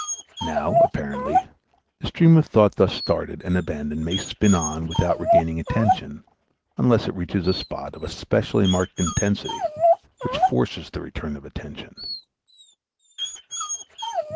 Now, apparently, the stream of thought thus started and abandoned may spin on without regaining attention unless it reaches a spot of especially marked intensity which forces the return of attention.